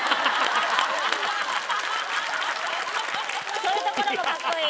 そういうところもカッコいい。